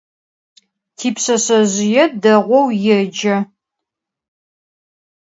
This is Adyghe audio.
Tipşseşsezjıê değou yêce.